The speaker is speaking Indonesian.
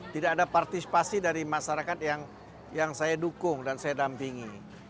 tidak ada partisipasi dari masyarakat yang saya dukung dan saya dampingi